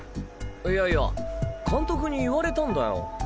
いやいや監督に言われたんだよ。